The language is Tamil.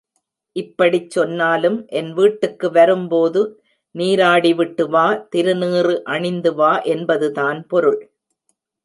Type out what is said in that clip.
இப்படிச் சொன்னாலும், என் வீட்டுக்கு வரும் போது நீராடி விட்டுவா, திருநீறு அணிந்து வா என்பதுதான் பொருள்.